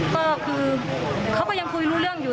ก็คือเขาก็ยังคุยรู้เรื่องอยู่